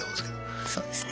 そうですね。